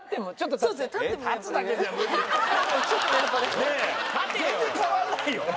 全然変わんないよ。